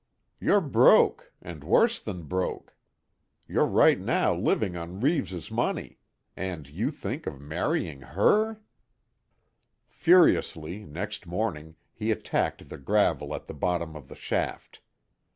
You're broke, and worse than broke. You're right now living on Reeves' money and you think of marrying her!" Furiously, next morning, he attacked the gravel at the bottom of the shaft.